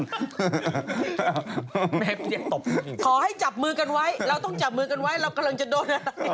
ขอให้จับมือกันไว้เราต้องจับมือกันไว้เรากำลังจะโดน